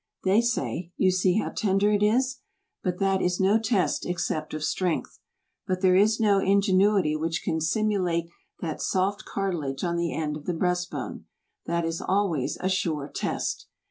They say, "You see how tender it is!" But that is no test except of strength. But there is no ingenuity which can simulate that soft cartilage on the end of the breast bone. That is always a sure test.